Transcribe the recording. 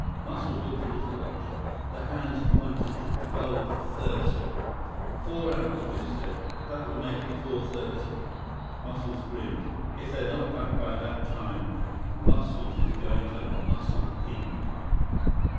Muscles looked at his watch. The hands pointed to 12:30. "Four hours, Biff said. That will make it four thirty." Muscles grinned. "If they're not back by that time, Muscles is going to muscle in."